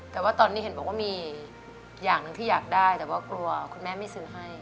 แต่ว่าตอนนี้เห็นบอกว่ามีอย่างหนึ่งที่อยากได้แต่ว่ากลัวคุณแม่ไม่ซื้อให้